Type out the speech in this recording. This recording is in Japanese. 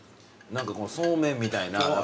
何かこのそうめんみたいな。